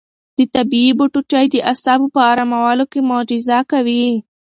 د طبیعي بوټو چای د اعصابو په ارامولو کې معجزه کوي.